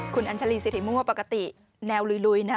คุณอัญชาลีสิริมั่วปกติแนวลุยนะ